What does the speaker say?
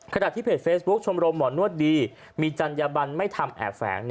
ขณะที่เพจเฟซบุ๊คชมรมหมอนวดดีมีจัญญบันไม่ทำแอบแฝง